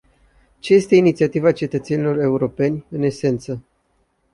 Ce este inițiativa cetățenilor europeni, în esență?